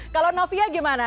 kalau novia gimana